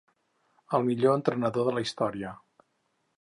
El millor entrenador de la història.